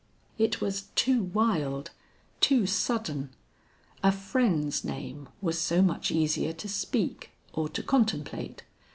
It was too wild, too sudden; a friend's name was so much easier to speak, or to contemplate.